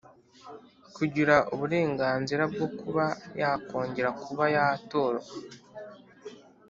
Kugira uburenganzira bwo kuba yakongera kuba yatorwa